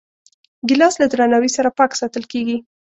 ګیلاس له درناوي سره پاک ساتل کېږي.